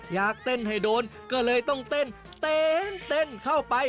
อยากเต้นให้โดนก็เลยต้องเต้นเต้นเข้าไป